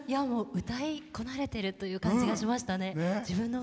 歌いこなれてるという感じがしましたね。